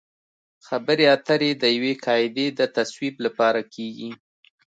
خبرې اترې د یوې قاعدې د تصویب لپاره کیږي